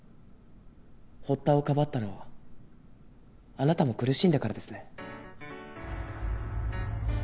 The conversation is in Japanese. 堀田をかばったのはあなたも苦しんだからですね。